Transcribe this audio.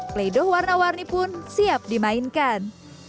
play dough warna warni pun siap dimainkan